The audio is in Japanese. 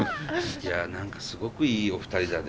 いや何かすごくいいお二人だね。